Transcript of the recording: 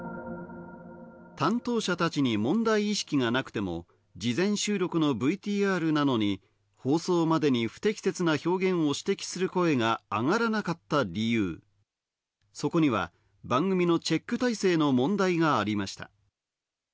担当者たちに問題意識がなくても、事前収録のＶＴＲなのに放送までに不適切な表現を指摘する声があがらなかった理由、そこには番組のチェック体制の問題がありました。